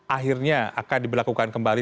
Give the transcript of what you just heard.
akhirnya akan diberlakukan kembali